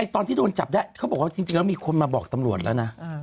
ตอนที่โดนจับได้เขาบอกว่าจริงแล้วมีคนมาบอกตำรวจแล้วนะ